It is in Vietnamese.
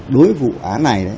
đối vụ án này